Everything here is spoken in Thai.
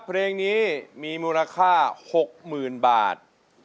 เพลงนี้มีมูลค่า๖๐๐๐บาท